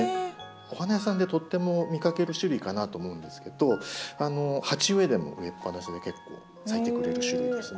お花屋さんでとっても見かける種類かなと思うんですけど鉢植えでも植えっぱなしで結構咲いてくれる種類ですね。